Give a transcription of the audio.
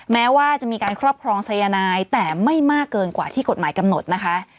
แม้ว่าจะมีการครอบครองสายนายแต่ไม่มากเกินกว่าที่กฎหมายกำหนดนะคะ